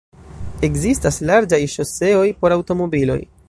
Ekzistas larĝaj ŝoseoj por aŭtomobiloj.